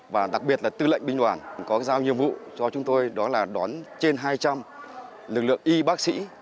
và đặc biệt là tư lệnh binh đoàn có giao nhiệm vụ cho chúng tôi đó là đón trên hai trăm linh lực lượng y bác sĩ